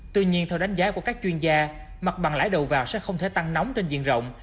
tuy nhiên theo đánh giá của các chuyên gia mặt bằng lãi đầu vào sẽ không thể tăng nóng trên diện rộng